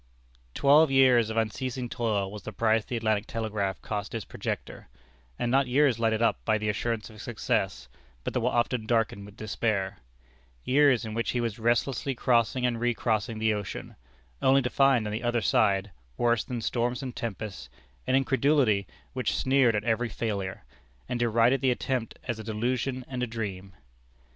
Twelve years of unceasing toil was the price the Atlantic Telegraph cost its projector; and not years lighted up by the assurance of success, but that were often darkened with despair: years in which he was restlessly crossing and recrossing the ocean, only to find on either side, worse than storms and tempests, an incredulity which sneered at every failure, and derided the attempt as a delusion and a dream.